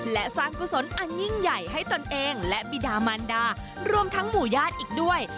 และสร้างกุศลอันยิ่งใหญ่ให้ตนเองและบิดามันดารวมทั้งหมู่ญาติอีกด้วย